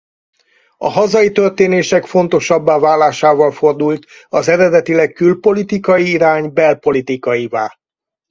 A hazai történések fontosabbá válásával fordult az eredetileg külpolitikai irány belpolitikaivá.